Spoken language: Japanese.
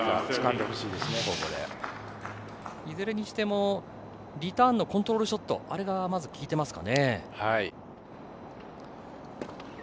いずれにしてもリターンのコントロールショットが効いてますかね。